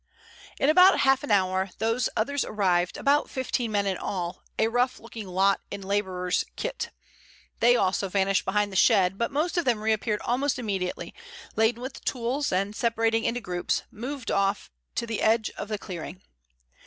In about half an hour those others arrived, about fifteen men in all, a rough looking lot in laborers' kit. They also vanished behind the shed, but most of them reappeared almost immediately, laden with tools, and, separating into groups, moved off to the edge of the clearing.